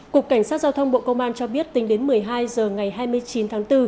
cục cảnh sát giao thông bộ công an cho biết tính đến một mươi hai h ngày hai mươi chín tháng bốn